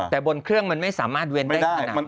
แต่บนเครื่องมันไม่สามารถเว้นได้ขนาดนั้น